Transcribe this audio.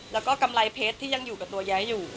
แล้วก็กำไรเพชรที่ยังอยู่กับตัวแย้อยู่